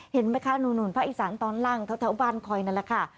เห็นไหมคะภาคอีสานตอนล่างเท่าบานคอยนั่นแหละค่ะ